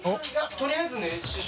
とりあえずね師匠。